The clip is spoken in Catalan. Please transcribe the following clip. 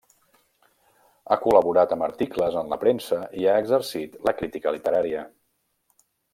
Ha col·laborat amb articles en la premsa i ha exercit la crítica literària.